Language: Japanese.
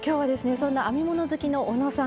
そんな編み物好きのおのさん